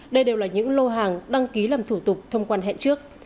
đây đều là những lô hàng đăng ký làm thủ tục thông quan hẹn trước